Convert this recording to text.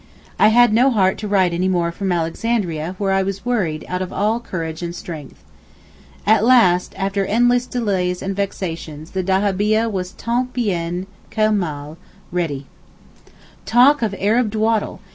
I had no heart to write any more from Alexandria where I was worried out of all courage and strength. At last after endless delays and vexations the dahabieh was tant bien que mal ready. Talk of Arab dawdle!